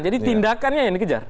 jadi tindakannya yang dikejar